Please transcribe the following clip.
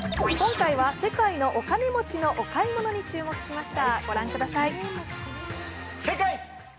今回は世界のお金持ちのお買い物に注目しました。